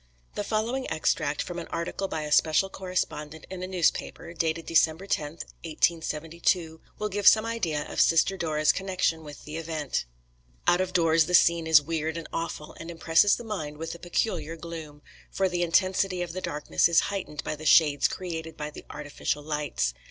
The following extract, from an article by a special correspondent in a newspaper, dated Dec 10, 1872, will give some idea of Sister Dora's connection with the event: Out of doors the scene is weird and awful, and impresses the mind with a peculiar gloom; for the intensity of the darkness is heightened by the shades created by the artificial lights.